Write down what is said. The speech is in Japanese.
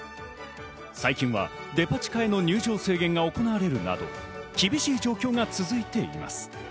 最近はデパ地下への入場制限が行われるなど、厳しい状況が続いています。